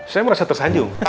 saya merasa tersanjung